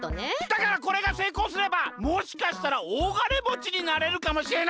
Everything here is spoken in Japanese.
だからこれがせいこうすればもしかしたらおおがねもちになれるかもしれないわけ。